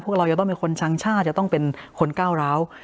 พวกเรายังต้องเป็นคนชังช่าจะต้องเป็นคนก้าวร้าว